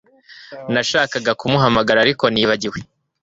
Nashakaga kumuhamagara ariko nibagiwe